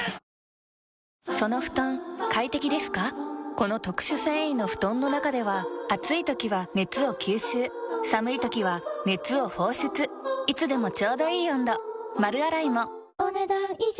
この特殊繊維の布団の中では暑い時は熱を吸収寒い時は熱を放出いつでもちょうどいい温度丸洗いもお、ねだん以上。